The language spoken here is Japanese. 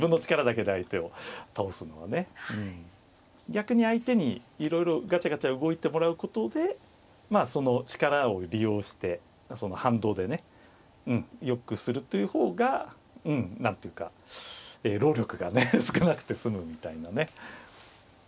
逆に相手にいろいろガチャガチャ動いてもらうことでまあその力を利用して反動でねうんよくするという方が何ていうか労力がね少なくて済むみたいなね。